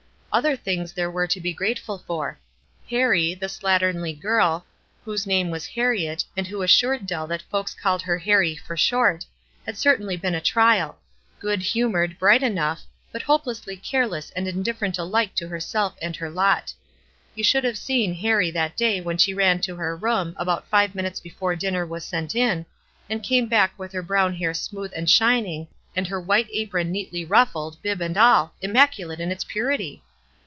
Other things there were to be grate ful for. Ilarric, the slatternly girl, whose name was Harriet, and who assured Dell that folks called her Ilarric "for short," had certainly been a trial — good humored, bright enough, but hopelessly careless and indifferent alike to her self and her lot. You should have seen Ilarrio 352 WISE AND OTHERWISE. that day when she ran to her room, about five minutes before dinner was sent in, and came back with her brown hair smooth and shining, and her white apron neatly ruffled, bib and all, immaculate in its purity